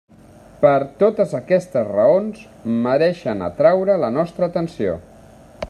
Per totes aquestes raons mereixen atraure la nostra atenció.